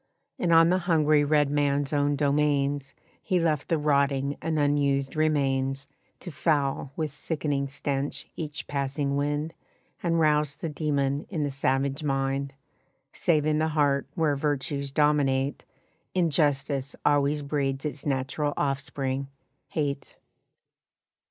And on the hungry red man's own domains He left the rotting and unused remains To foul with sickening stench each passing wind And rouse the demon in the savage mind, Save in the heart where virtues dominate Injustice always breeds its natural offspring hate.